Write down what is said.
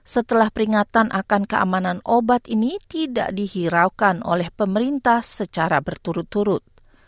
setelah peringatan akan keamanan obat ini tidak dihiraukan oleh pemerintah secara berturut turut